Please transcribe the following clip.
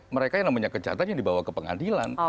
mereka yang namanya kejahatan yang dibawa ke pengadilan